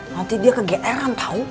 nanti dia kegeeran tau